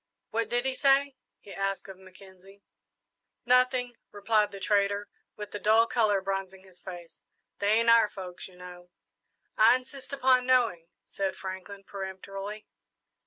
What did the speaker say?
"What did he say?" he asked of Mackenzie. "Nothing," replied the trader, with the dull colour bronzing his face; "they ain't our folks, you know." "I insist upon knowing," said Franklin, peremptorily.